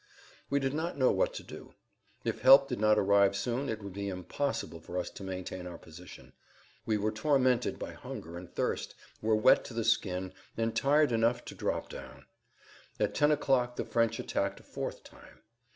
We did not know what to do. If help did not arrive soon it would be impossible for us to maintain our position. We were tormented by hunger and thirst, were wet to the skin, and tired enough to drop down. At ten o'clock the French attacked a fourth time.